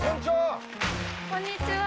こんにちは。